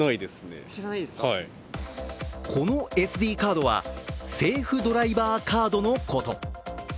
このＳＤカードはセーフ・ドライバー・カードのこと。